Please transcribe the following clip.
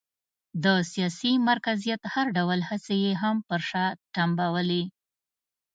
د سیاسي مرکزیت هر ډول هڅې یې هم پر شا تمبولې.